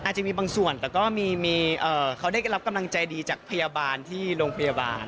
อาจจะมีบางส่วนแต่ก็มีเขาได้รับกำลังใจดีจากพยาบาลที่โรงพยาบาล